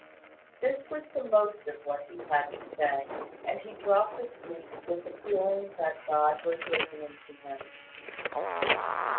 This was the most of what he had to say; and he dropped asleep with the feeling that God was listening to him.